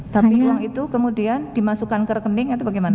tapi uang itu kemudian dimasukkan ke rekening atau bagaimana